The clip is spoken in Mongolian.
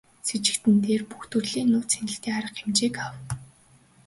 Сэжигтэн дээр бүх төрлийн нууц хяналтын арга хэмжээг авав.